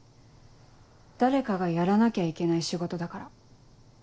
誰かがやらなきゃいけない仕事だから。